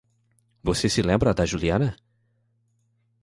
Você se lembra da Juliana?